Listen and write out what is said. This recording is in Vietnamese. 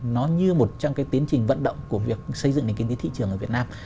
nó như một trong cái tiến trình vận động của việc xây dựng nền kinh tế thị trường ở việt nam